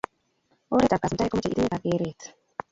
oret ap kasultaet komochei itinye kakeret